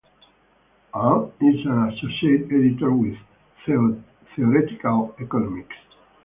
Ahn is an associate editor with "Theoretical Economics".